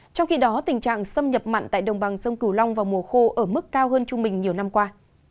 trong khi đó tình trạng xâm nhập mặn tại đồng bằng sông cửu long vào mùa khô ở mức cao hơn trung bình nhiều năm qua